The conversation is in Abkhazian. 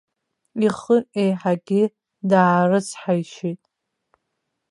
Ихы еиҳагьы даарыцҳаишьеит.